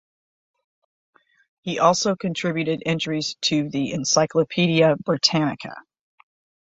He also contributed entries to the "Encyclopedia Britannica".